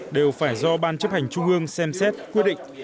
đều phải do ban chấp hành trung ương xem xét quyết định